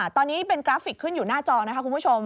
ตอนนี้เป็นกราฟิกขึ้นอยู่หน้าจอนะคะคุณผู้ชม